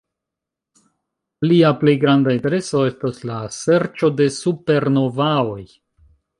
Lia plej granda intereso estas la serĉo de supernovaoj.